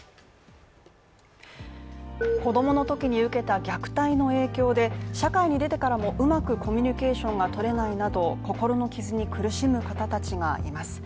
子供のときに受けた虐待の影響で社会に出てからも、うまくコミュニケーションが取れないなど心の傷に苦しむ方たちがいます。